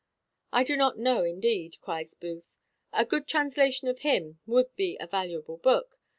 "I do not know, indeed," cries Booth. "A good translation of him would be a valuable book.